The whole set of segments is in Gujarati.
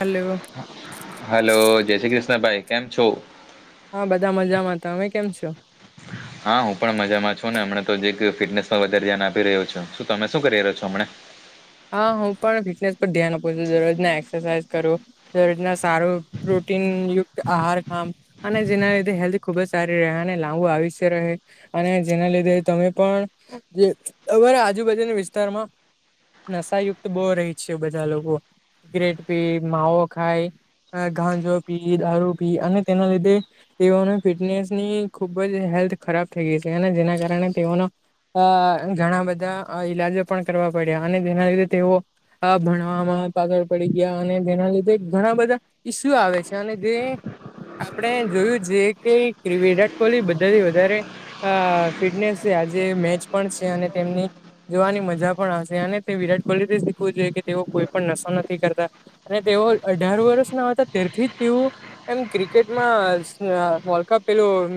હાલો. હાલો જય શ્રી કૃષ્ણ ભાઈ કેમ છો? હ બધા મજામાં તમે કેમ છો? હા હું પણ મજામાં છું ને હમણે તો જે ફિટનેસમાં વધારે ધ્યાન આપી રહ્યો છું શું તમે શું કરી રહ્યો છો હમણે? હા હું પણ ફિટનેસ પર ધ્યાન આપું છું દરરોજ એક્સરસાઇઝ કરું દરોજના સારું પ્રોટીન યુક્ત આહાર ખામ અને જેના લીધે હેલ્ધ ખુબ જ સારી રહે અને લાંબો આયુશય રહે અને જેના લીધે તમે પણ જે તમારા આજુબાજુના વિસ્તારમાં નશા યુક્ત બો રહી છે, બધા લોકો સિગરેટ પીય માવો ખાય ગાંજો પી દારૂ પી અને તેના લીધે તેઓને ફિટનેસની ખુબ જ હેલ્થ ખરાબ થઈ ગઈ છે, જેના કારણે તેઓનો અ ઘણા બધા અ ઈલાજો પણ કરવા પડ્યા અને જેના લીધે તેઓ અ ભણવામાં પાગલ પડી ગયા અને તેના લીધે ઘણા બધા ઈશું આવે છે, અને જે આપડે જોયું છે, કે વિરાટ કોહલી બધાથી વધારે અ ફિટનેસ છે, આજે મેચ પણ છે, અને તેમની જોવાની મજા પણ આ અને તે વિરાટ કોહલીથી શીખવું જોઈએ કે તેઓ કોઈ પણ નશો નથી કરતા અને તેઓ અઢાર વર્ષના હતા તયારથી જ તેઓ એમ ક્રિકેટમાં અ વર્લ્ડકપ પેલું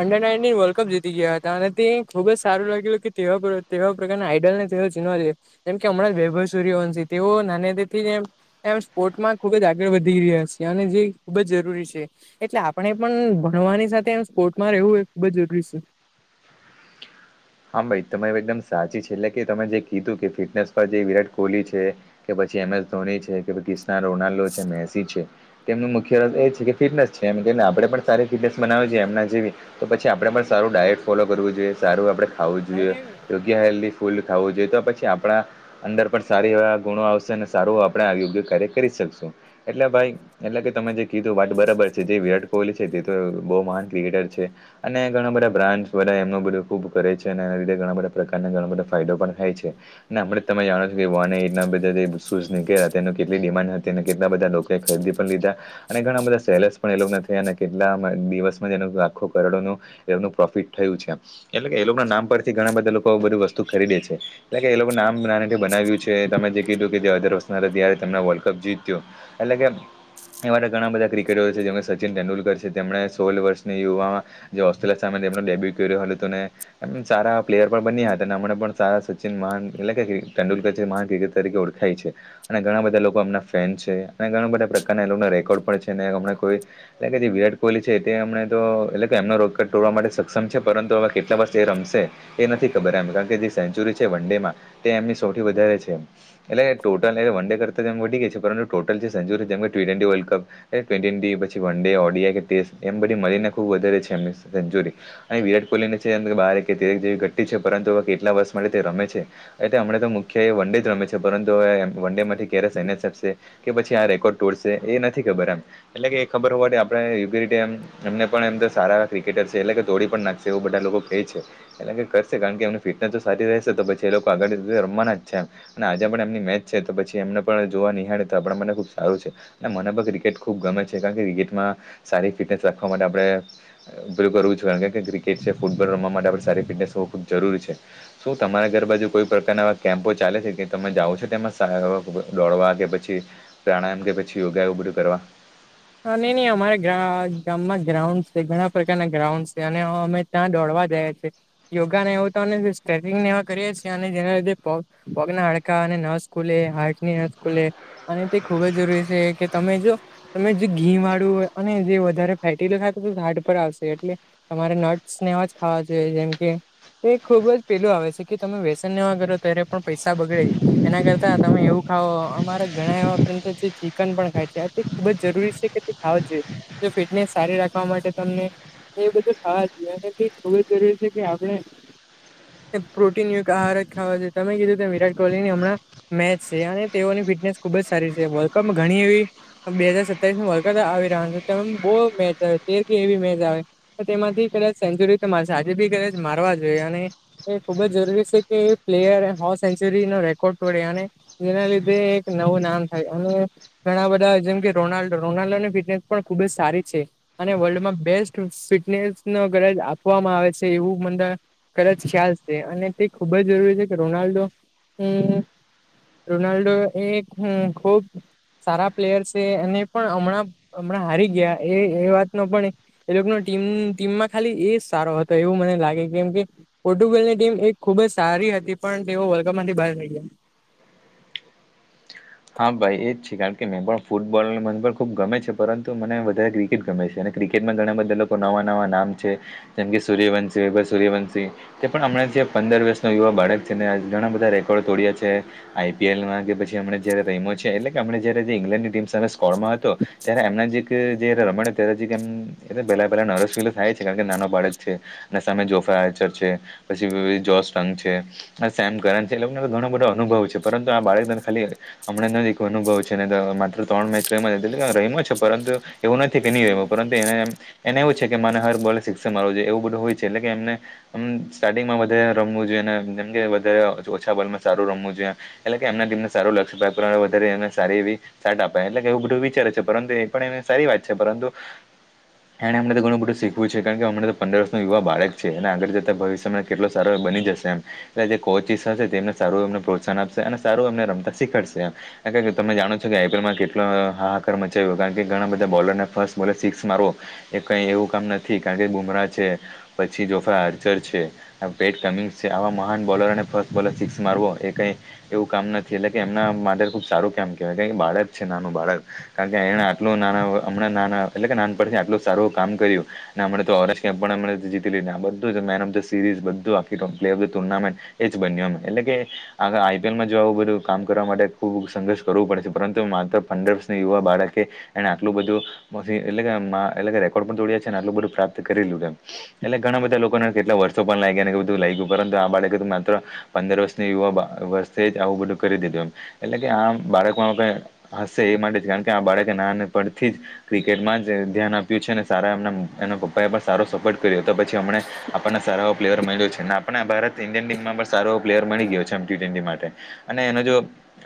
અંડર નાઇન્ટીન વર્લ્ડ કપ જીતી ગયા હતા અને તે ખુબ જ સારું લાગેલુ કે તેવા પર તેવા પકારના આઈડલ ને જોયો જેમ કે હમણાં જ વૈભવ સૂર્યવંશ તેઓ નાને થી એમ એમ સ્પોર્ટમાં ખુબ જ આગળ વધી રહ્યા છીએ અને જે ખુબ જ જરૂરી છે. એટલે આપણે પણ ભણવાની સાથે એમ સ્પોર્ટમાં રહેવું એ ખુબ જ જરૂરી છે. હા ભાઈ તમારી એકદમ સાચી છે, એટલે કે તમે જે કીધું કે ફિટનેસ પર જે વિરાટ કોહલી છે. કે પછી એમ એસ ધોની છે, કે ક્રિસના રોનાલ્ડો છે, મેસી છે. તેમનું મુખ્ય રસ એ છે કે ફિટનેસ છે એમ કેને આપણેે પણ સારી ફિટનેસ બનાવી છેએ એમના જેવી તો પછી આપડે પણ સારું ડાયટ ફોલો કરવું જોઈએ સારું આપે ખાવું જોઈએ. છે હેલ્ધી ફૂડ ખાવું જોઈ તો પછી આપણા અંદર પણ સારી એવા ગુણો આવશે અને સારું આપણે યોગ્ય કાર્ય કરી શકશું એટલે ભાઈ એટલે કે તમે જે કીધું વાત બરાબર છે, જે વિરાટ કોહલી છે, તે તો બો મહાન ક્રિકેટર છે. અને ઘણા બધા બ્રાન્ડ બધા એમનું બધું ખુબ કરે છે, અને એના લીધે ઘણા બધા પ્રકારના ઘણા બધા ફાયદો પણ થાય છે. ને હમણે તમે જાણો કે વન એટના બધા જે શૂઝ નીકળ્યા હતા તે કેટલી ડિમાન્ડ હતી અને કેટલા બધા તે ખરીદી પણ લીધા અને ઘણા બધા સેલસ પણ એ લોકો નથી થયા અને કેટલા દિવસમાં જ એલોકો આખો કરોડો ન એમનું પ્રોફિટ થયું છે. એટલે કે એ લોકો ના નામ પરથી ઘણા બધા લોકો બધું વસ્તુ ખરીદે છે એટલે કે એ લોકો નામ ના બનાવ્યું છે. તમે જે કીધું કે જેર વના ત્યારે તમને વર્લ્ડ કપ જીતું એટલે કે એવાળ ઘણા બધા ક્રિકેટરો છે જેમણે સચિન તેંડુલકર છે તેમણે સોળ વર્ષની યુવામાં જે ઓસ્ટ્રેલિયા સામે ડેબ્યુટ કરી હો હ ત ને એમ સારા પ્લેયર પણ બન્યા હતા અને હમને પણ સારા સચિન માન એટલે તેંડુલકર છે મહાન ક્રિકે તરીકે ઓળખાય છે. અને ઘણા બધા લોકો એમના ફેન છે અને ઘણા બધા પ્રકારના લોકો રેકોર્ડ પણ છે હમણા કોઈ એટલે કે જે વિરાટ કોહલી છે તે એમને તો એટલે કે એમનો રોકટ તોડવા માટે સક્ષમ છે પરંતુ હવે કેટલા બસ એ રમશે એ નથી ખબર એમ કારણ કે જે સેન્ચુરી છે વન ડે માં તે એમની સૌથી વધારે છે. એટલે ટોટલ એલે વન ડે કરતા એમ વધી ગઈ છે પરંતુ ટોટલ જે સેચરી જે કે ટી ટ્વેન્ટી વર્લ્ડ કપ એ ટુવેન્ટી, પછી વન ડે, ઓડ કેટેસ્ટ એમ બધી મળીને ખુબ વધારે છે એ સેન્ચુરી અહી વિરાટ કોહલીને છે બ કે તે જેવી ઘટટી છે પરંતુ હવે કેટલા વર્ષ માટે તે રમે છે. એ હમણા તો મુખ્ય એ વન ડે જ રમે છે પરંતુવે વન ડે થી ક્યારે સૈન્યાશે. [unintelligible] કે પછી આ રેકોર્ડ તોડશે એ નથી ખબર આમ એટલે કે એ ખબર હોવા આપણે પણ એમ તો સારા ક્રિકેટર છે એટલે તોડી પણ નાખશે એવું બ લોકો ક છે એ કરશે કારણ કે એમની ફિટનેસ તો સારી રહેશે તો પછી એ લોકો આગળીતે રમવાના જ છે એમ અને આજે પણ એમની મેચ છે તો પછી એમને પણ જોવા નિહાળે તો આપણા મને ખુબ સારું છે. અને મને પણ ક્રિકેટ ખુબ ગમે છે કારણ કે ક્રિકેટમાં સારી ફિટનેસ રાખવા માટે આપણે ઉપયોગ કરવો કાર કે ક્રિકેટ છે ફૂટબોલ રમવા માટે આપ સારી ફિટનેસ હોવું ખૂબ જરૂરી છે. શું તમારા ઘર બાજુ કોઈ પ્રકારના આવા કેમ્પો ચાલે છે કે તમે જાઓ છો તેમાં દોડવા કે પછી પ્રાણાયામ એમ કે પછી યોગા એવું બધું કરવા. અને નઈ અમારા ગામમાં ગ્રાઉન્ડ છે ઘણા પ્રકારના ગ્રાઉન્ડ છે અને હ અમે ત્યાં દોડવા જાય છે યોગા ને એવું તો સ્ટ્રેચિંગને એ કરીએ છીએ અને જેના લીધે પ પગના હાડકા અને નસ ખૂલે, હાર્ટ ની નસ ખૂલે અને તે ખુબ જ જરૂરી છે કે તમે જો તમે જે ઘી વાળું હોય અને જે વધારે ફેટીખાય [unintelligible] તો હાર્ડ તો પર આવશે એટલે તમારે નટ્સ નેવાજ ખાવા જોઈએ જેમ કે એ ખુબ જ પેલું આવે છે, કે તમે વ્યસન નેવા કરો ત્યારે પણ પૈસા બગડે એના કરતા તમે એવું ખાવઓ અમારે ઘણા એવા પ્રંત ચિકન પણ ખાય છે. ખુબ જ જરૂરી છે, કે તે ખાવ જોઈએ તો ફિટનેસ સારી રાખવા માટે તમને એ બધું ખાવા જોઈએ અને થવું જરૂરી છે કે આપણે પ્રોટીન યુક્ત આહાર જ ખાવા છે તમે કીધું ત વિરાટ કોહલી ને હમણાં મેચ છે અને તેઓની ફિટનેસ ખુબ જ સારી છે વર્લ્ડ કપ ઘણી એવી બે હજાર સતાવીસ માં વલગતા આવી રહ્યા છે ત બહ મેચ આવે તેર કે એવી મેચ આવે તો તેમાંથી કદાચ સેન્ચુરી તો મારશે આજે બી કદાચ મારવા જોઈએ અને એ ખુબ જ જરૂરી છે કે એ પ્લેયર હો સેન્ચુરી નો રેકોર્ડ તોડે અને જેના લીધે એક નવું નામ થાય અને ઘણા બધા જેમ કે રોનાલ્ડો રોનાલ્ડો ની ફિટનેસ પણ ખુબ જ સારી છે. અને વર્લ્ડમાં બેસ્ટ ફિટનેસ નો ગરજ આપવામાં આવે છે એવું મંડળ કદાચ ખ્યાલ છે અને તે ખૂબ જ જરૂરી છે કે રોનાલ્ડો હું રોનાલ્ડો એક હું ખુબ સારા પ્લેયર્સ તે એને પણ હમણાં હમણાં હારી ગયા એ એ વાત નો પણ એ લોકોનો ટીમ ટીમમાં ખાલી એ સારો હતો એવું મને લાગે કેમ કે પોર્ટુગલની ટીમ એક ખુબજ સારી હતી પણ તેઓ વર્લ્ડ કપમાંથી બાર ની ગયાં હા ભાઈ એજ છે કારણ કે મેં પણ ફૂટબોલ મન પર ખૂબ ગમે છે પરંતુ મને વધારે ક્રિક કેટ ગમે છે અને ક્રિકેટમાં ઘણા બધા લોકો નવા-નવા નામ છે જેમ કે સૂર્યવંશી પછી સૂર્યવંશી તે પણ હમણાં જે પંદર વર્ષના યુવા બાળક છે ને ઘણા બધા રેકોર્ડ તોડ્યા છે. આઈપીએલના કે પછી હમણાં જ્યારે રયમો છે એટલે કે અમણે જયારે ઇંગ્લેન્ડની ટીમ સામે સ્કોરમાં હતો ત્યારે એમના જે તે જે રીતે રમાડે છે ત્યારે જીરક એમ એટલે પેહલા પહેલા નેરવસ ફીલ થાય છે કારણ કે નાનો બાળક છે. અને સામે જોફચર છે પછી જોસ ટંગ છે. થશે અમે [unintelligible] લોકો ઘણો બધો અનુભવ છે પરંતુ આ બાળકને ખાલી હમણાં નથી કોઈ નુ અનુભવ છે ને માત્ર ત્રણ મેચ રમ્યો છે તેથી રમ્યો છે પરંતુ તેવું નથી કે નહીં રહેવું પરંતુ એ એને એવું છે કે મને હર બોલે સીક્સ જ મારવો જોઈએ એવું બધું હોય છે એટલે કે એમને હમ્મ સ્ટાર્ટિંગમાં વધારે રમવું જોઈએ જેમ કે વધારે ઓછા બોલમાં સારું રમવું જોઈએ. એટલે કે એમના ટીમને સારું લાગશે બે ત્રણ વધારે અને સારી એવી સાડ આપે એટલે કે એવું બધું વિચારે છે પરંતુ એ પણ એને સારી વાત છે પરંતુ એણે અમણે તો ઘણું બધું શીખવું છે કારણ કે હમણાં તો પંદર વર્ષનું યુવા બાળક છે અને આગળ જતાં ભવિષ્યમાં કેટલો સારો એવો બની જશે એમ. પેહલે કોચ ઈ સાથે હશે તેમને સારું એમને પ્રોત્સાહન આપશે અને સારું એમને રમતા શીખડશે એમ. અગર તમે જાણો છો કે આઈપીએલમાં કેટલો હાહાકાર મચાવ્યો કારણ કે ઘણા બધા બોલરને ફર્સ્ટ બોલર સિક્સ મારવો એ કઈ એવું કામ નથી કારણ કે બુમરાહ છે પછી જોફા આર્ચર છે. આ પેત તમિસ છે આવા મહાન બોલરોને ફર્સ્ટ બોલમાં સિક્સ મારવો એ કઈ એવું કામ નથી એટલે તેમના માટે ખુબ સારું કેમ કેહેવાય કારણ કે બાળક છે નાનું બાળક કારણ કે એને આટલું નાના હમણાં નાના એટલે કે નાનપણથી આટલું સારું કામ કર્યું. અને અમના તો ઓરેન્જ કેપ પણ અમને જીતી લીધા આ બધુ મેન ઓફ ધ સીરીઝ બધું આખી trophy player of the tournament એજ બન્યું એમ એટલે કે અગર આઈપીએલમાં જો આવું બધું કામ કરવા માટે ખૂબ સંઘર્ષ કરવું પડે છે પરંતુ માત્ર પંદર વર્ષની યુવા બાળકે એણે આટલું બધું પછી એટલે કે મા રેકોર્ડ પણ તોડ્યા છે ને આટલું બધું પ્રાપ્ત કરેલું છે એમ એટલે ઘણા બધા લોકોને કેટલા વર્ષો પણ લાગ્યા ને એવું બધું લાગયું પરંતુ આ બાળકએ તો માત્ર પંદર વર્ષની યુવા બા વર્ષે જ આવું બધું કરી દીધું એમ એટલે કે આ બાળકમાં કઈ હશે એ માટે જ કારણ કે આ બાળકે નાનપણથી જ ક્રિકેટમાં જ ધ્યાન આપ્યું છે ને સારા એમ એના પપ્પા એ પણ સારો સપોર્ટ કરીએ તો પછી હમણા આપણને સારા પ્લેયર મળ્યો છે ને આપણે ભારત ઇન્ડિયન ટીમમાં પણ સારો એ પ્લેયર મળી ગયો છેમ ટી ટ્વેન્ટી માટે અને એનો જો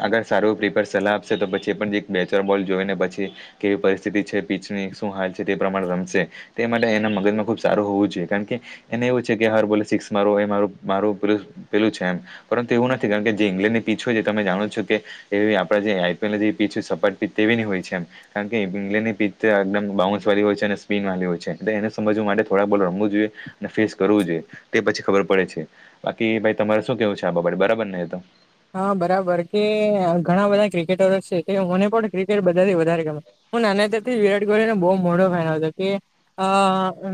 અગર સારું પ્રીપર સલાહ આપશે તો પછી એ પણ જે એક બેચર બોલ જોઈ ને પછી કેવી પરિસ્થિતિ છે પીચની શું હાલ છે તે પ્રમાણે રમશે. તે માટે એના મગજમાં ખુબ સારું હોવું જોઈએ કારણ કે એને એવું છે કે હાર બોલે સિક્સ માર એ મા મારું પેલું છે એમ પરંતુ એવું નથી કારણ કે જે ઇંગ્લેન્ડ ની પીચછું છે તમે જાણો છો કે એવી આપણે જે આઈપીએલની જે પીચો સપાટ પ તેવીની હોય છે એમ કારણ કે ઇંગ્લેન્ડની પિત્ચ એકદમ બાઉન્સ વાળ હોય છે અને સ્પિન વાળી હોય છે એ એને સમજવા માટે થોડા બોલ રમવું જોઈએ. ને ફેસ કરવું જોઈએ તે પછી ખબર પડે છે બાકી ભાઈ તમારે શું કેવું છે આ બાબા બરાબર ને એ તો હા બરાબર કે ઘણા બધા ક્રિકેટરો છે કે મને પણ ક્રિકેટ બધા વધારે ગમે હું નાનાતથી વિરાટ કોહલી નો બહુ મોડો ફેન આવતો કે હ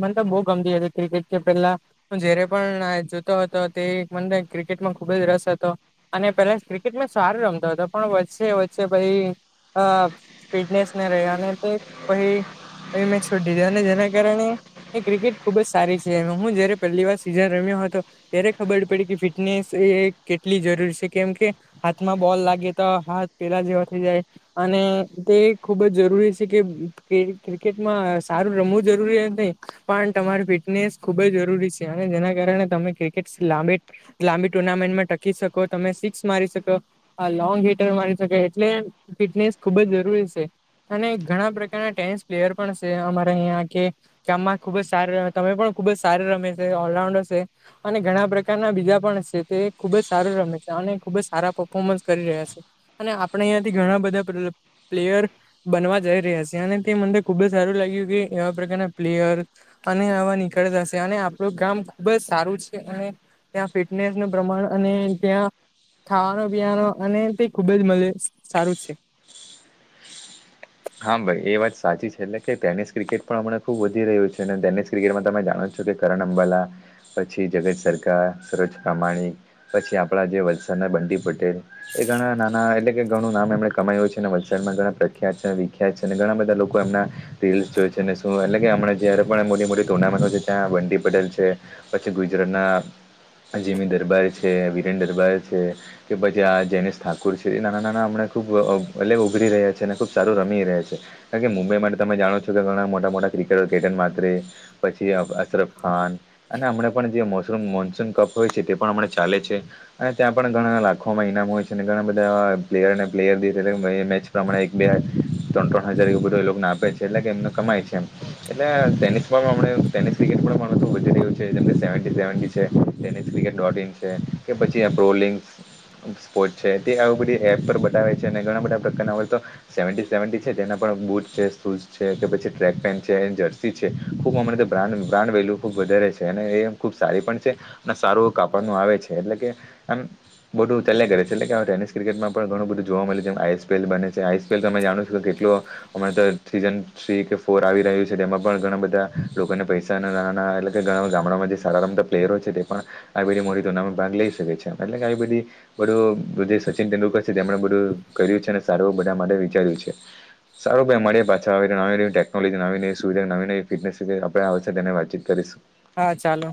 મને તો બહુ ગમતી હતી ક્રિકેટ કે પેહલા જયારે પણ [unintelligible] જોતો હતો તે વન ડે ક્રિકેટમાં ખુબ જ રસ [unintelligible] અને પેલા જ ક્રિકેટમાં સારું રમતો હતો, પણ વચ્ચે-વચ્ચે પહી અહ ફીટનેસ [unintelligible] તે પહી-પહી મે છોડી દીધી, અને જેના કારણે એ ક્રિકેટ ખુબ જ સારી છે, અને હું જયારે પહેલી વાર સિઝન રમ્યો હતો ત્યારે ખબર પડી કે ફિટનેસ એ કેટલી જરૂરી છે કેમ કે હાથમાં બોલ લાગે તો હાથ પેલા જેવા થઇ જાય. અને તે ખૂબ જ જરૂરી છે કે ક્રિકેટમાં સારું રમવું જરૂરી નહી પણ તમારી ફિટનેસ ખુબ જ જરૂરી છે અને જેના કારણે તમે ક્રિકેટ લાંબે લાંબી ટુર્નામેન્ટમાં ટકી શકો તમે સિક્સ મારી શકો. હા લોંગ હીટર મારી શકાય એટલે ફિટનેસ ખુબ જ જરૂરી છે. અને ઘણા પ્રકારના ટેનિસ પ્લેયર પણ છે અમારા અહીં યા કે તેમાં ખુબ જ સારું રમ્યો, તમે પણ ખુબ જ સારું રમ્યું સે, ઓલરાઉન્ડર સે. અને ઘણા પ્રકારના બીજા પણ છે તે ખુબ જ સારું રમે છે અને ખુબ જ સારા પર્ફોર્મન્સ કરી રહ્યા છે, અને આપણે અહંથી ઘણા બધા પ્લેયર, બનવા જઈ રહ્યા છે અને તે મને ખુબ જ સારું લાગ્યું કે એવા પ્રકારના પ્લેયર અને આવા નીકળ જશે અને આપડું ગામ ખુબ જ સારું છે અને ત્યાં ફિટનેસ ન પ્રમાણ અને ત્યાં ખાવાનો પીવાનો અને તે ખુબ જ મજે સારું છે. હા ભાઈ એ વાત સાચી છે એટલે કે ટેનિસ ક્રિકેટ પણ હમણાં ખુબ વધી રહ્યું છે ટેનિસ ક્રિકેટમાં તમે જાણો છો કે કરણ અંબાલા, પછી જગત સરકાર, સરોજ રામાણી. પછી આપડા જે વલસાના બંડી પટેલ. એ ઘણા નાના એટલે કે ઘણું નામ એમણે કમાયું છે અને વલસાડમાં ઘણા પ્રખ્યાત છે. ખ્યા છે અને ઘણા બધા લોકો એમના, રીલ્સ જોય છેને શું એટલે કે હમણા જયારે પણ મોટી મોટી ટુર્નામેન્ટો ત્યાં વંડી પડલ છે, પછી ગુજરાતના અજીમી દરબાર છે વિરેન દરબાર છે. કે પછી આ જયનેશ ઠાકુર છે એ નાના નાના હમણા ખુબ અલગ ઉઘરી રહ્યા છે અને ખુબ સાર રમી છે કારણ કે મુંબઈ માટે તમે જાણો છો કે ઘણા મોટા મોટા ક્રિકેટર કેટન માત્રરે, પછી અશરફ ખાન, અને હમ પણ જે મો મોન્સૂન કફ હોય છે તે પણ હમ ચાલે છે. અને ત્યાં પણ ઘણા લાખોમાં ઇનામો હોય છે અને ઘણા બધા પ્લેયરને પ્લેયર દ મેચ પ્રમાણે એક બે ત્રણ ત્રણ હજારભર તો એ લોકોને આપે છે એટલે કે એમને કમાય છે, એમ એટલે તેની ફ હમણે ટેનિસ ક્રિકેટ પણ પણણતું વધી રહ્યું છે જેમ કે સેવન્ટી સેવન્ટી છેટેનિસ ક્રિકેટ ડોટ ઇન છે. કે પછી એ પ્રોલિંગ્સ. સ્પોર્ટ છે તે આવી બધી એપ પર બતાવે છે અને ઘણા બધા પ્રકારના તો સેવ સેવન્ટી છે તેના પણ બૂટ છે શૂઝ છે કે પછી ટ્રેક પેન્ટ છે જર્સી છે, ખૂબ અમાને તો બ્રાન્ડ બ્રાન્ડ વહેલું ખૂબ વધારે છે અને એમ ખૂબ સારી પણ છે, અને સારું કાપડનું આવે છે એટલે કે આમ બધુ ઉ ચલ કરે છે એટલે કેવે ટેનસ ક્રિકેટ પણણું બધું જોવા મળ્યું છે જેમ આઈસપએલ બને છે આઈ સી પ એલ તમે જાણો કેટલો, અમારે તો થન થ્રી કે ફોર આવી રહ્યું છે, તેમાં પણ ઘણા બધા લોકોને પૈસાના નાના એટલે કે ઘણા બધા ગામડામાં જે સારા રમતા પ્લેયરો છે તે પણ આવી બી મોટી ટુર્નામેન્ટ ભાગ લઈ શકે છે એમ એટલે કે આવી બધી બધું જે સચિન તેંડુલકર છે, તેમણે બધું કર્યું છે અને સારું બધા માટે વિચાર્યું છે. સારું ભાઈ મળીએ પાછા. [unintelligible] નવી-નવી ટેકનોલોજી, નવી-નવી સુવિધા, નવી-નવી ફિટનેસ જે આપણેે આવે છે તેને વાતચીત કરીશું. હા ચાલો